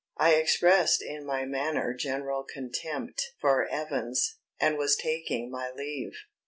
I expressed in my manner general contempt for Evans, and was taking my leave.